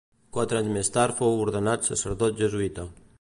Quatre anys més tard fou ordenat sacerdot jesuïta.